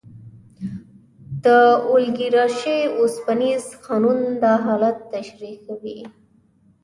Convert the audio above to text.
د اولیګارشۍ اوسپنیز قانون دا حالت تشریح کوي.